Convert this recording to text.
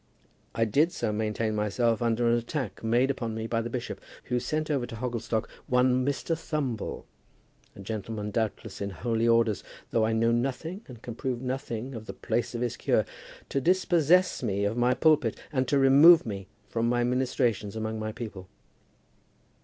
I did so maintain myself against an attack made upon me by the bishop, who sent over to Hogglestock one Mr. Thumble, a gentleman doubtless in holy orders, though I know nothing and can learn nothing of the place of his cure, to dispossess me of my pulpit and to remove me from my ministrations among my people.